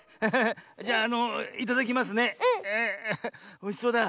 おいしそうだ。